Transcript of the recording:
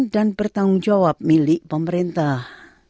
dan bertanggung jawab milik pemerintah